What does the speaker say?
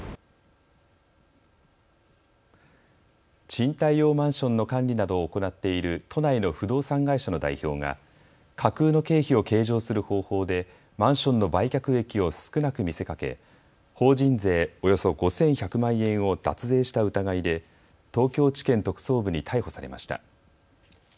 賃貸用マンションの管理などを行っている都内の不動産会社の代表が架空の経費を計上する方法でマンションの売却益を少なく見せかけ法人税およそ５１００万円を脱税した疑いで東京地検特捜部に逮捕されました。